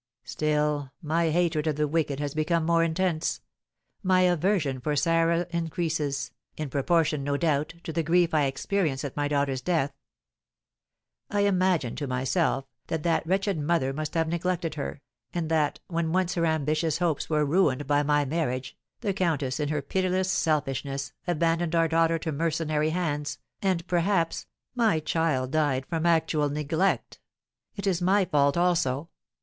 "Still, my hatred of the wicked has become more intense; my aversion for Sarah increases, in proportion, no doubt, to the grief I experience at my daughter's death. I imagine to myself that that wretched mother must have neglected her, and that, when once her ambitious hopes were ruined by my marriage, the countess, in her pitiless selfishness, abandoned our daughter to mercenary hands, and, perhaps, my child died from actual neglect. It is my fault, also.